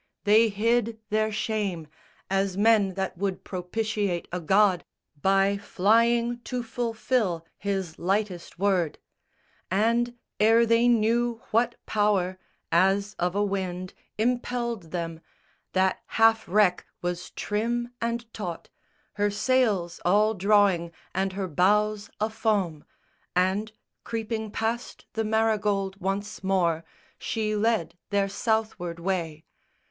They hid their shame, As men that would propitiate a god, By flying to fulfil his lightest word; And ere they knew what power, as of a wind, Impelled them that half wreck was trim and taut, Her sails all drawing and her bows afoam; And, creeping past the Marygold once more, She led their Southward way!